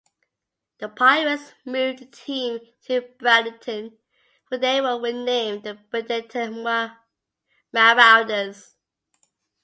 The Pirates moved the team to Bradenton, where they were renamed the Bradenton Marauders.